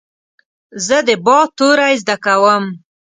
زه د "ب" توری زده کوم.